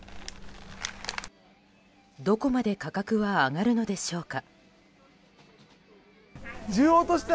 どこまで価格は上がるのでしょうか。